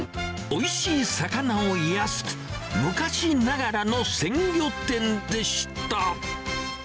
おいしい魚を安く、昔ながらの鮮魚店でした。